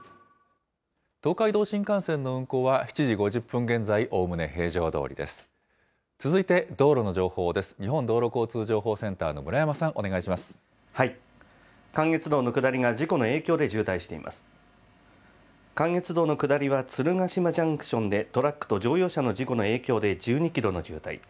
東海道新幹線の運行は、７時５０分現在、おおむね平常どおりです。